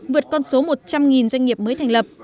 vượt con số một trăm linh doanh nghiệp mới thành lập